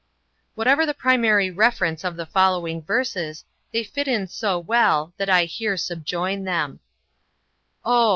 Whatever the primary reference of the following verses, they fit in so well that I here subjoin them: Oh!